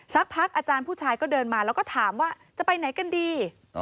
สักพักอาจารย์ผู้ชายก็เดินมาแล้วก็ถามว่าจะไปไหนกันดี